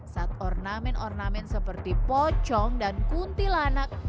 saat ornamen ornamen seperti pocong dan kuntilanak